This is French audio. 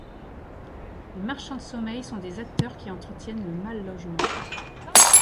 Les marchands de sommeil sont des acteurs qui entretiennent le mal-logement.